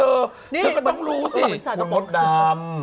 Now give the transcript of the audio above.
นี่นี่นี่งานพิษัทแล้วพอพูดเหรอไหมท่านมดดำ